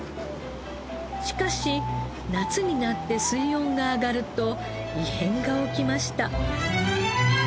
しかし夏になって水温が上がると異変が起きました。